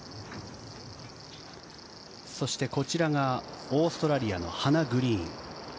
そして、こちらがオーストラリアのハナ・グリーン。